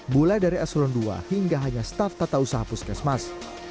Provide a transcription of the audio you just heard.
mulai dari eselon ii hingga hanya staff tata usaha puskesmas